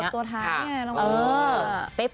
ตัวท้ายนี่นะ